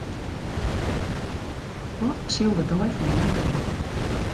Wat sil de dei fan moarn bringe?